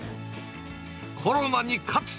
コロナに勝つ！